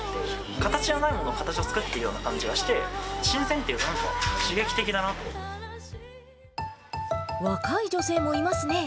形がないものを、形作っているような感じがして、新鮮というか、なんか刺激的だな若い女性もいますね。